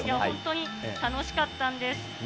本当に楽しかったんです。